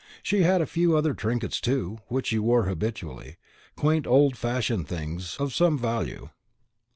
She had a few other trinkets too, which she wore habitually, quaint old fashioned things, of some value.